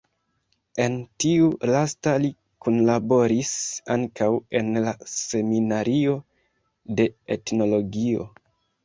En tiu lasta li kunlaboris ankaŭ en la Seminario de Etnologio.